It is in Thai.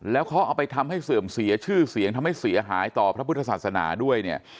แล้วเขาเอาไปทำให้เสื่อมเสียชื่อเสียงทำให้เสียหายต่อพระพุทธศาสนาด้วยเนี่ย